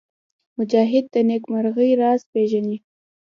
مجاهد د نېکمرغۍ راز پېژني.